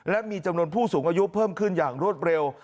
และมีจำนวนผู้สูงอายุเพิ่มขึ้นอย่างรวดเร็ว